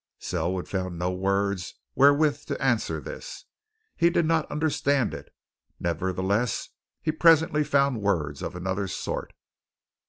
Selwood found no words wherewith to answer this. He did not understand it. Nevertheless he presently found words of another sort.